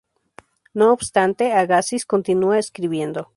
No obstante, Agassiz continúa escribiendo.